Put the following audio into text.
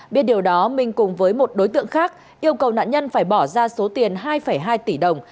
biết điều đó minh cùng với một đối tượng khác yêu cầu nạn nhân phải bỏ ra số tiền hai hai tỷ đồng